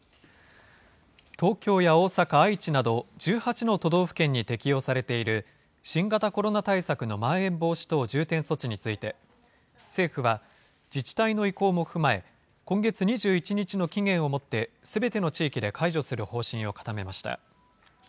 東京や大阪、愛知など、１８の都道府県に適用されている、新型コロナ対策のまん延防止等重点措置について、政府は自治体の意向も踏まえ、今月２１日の期限をもってすべての地域で解除する方針を固めました。